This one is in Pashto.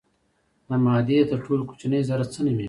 د مادې تر ټولو کوچنۍ ذره څه نومیږي.